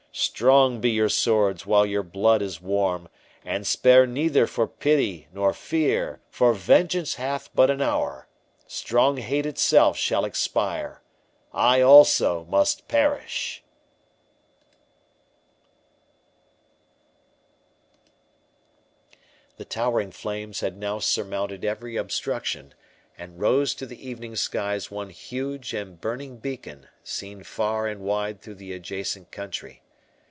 Strong be your swords while your blood is warm, And spare neither for pity nor fear, For vengeance hath but an hour; Strong hate itself shall expire I also must perish! 39 The towering flames had now surmounted every obstruction, and rose to the evening skies one huge and burning beacon, seen far and wide through the adjacent country.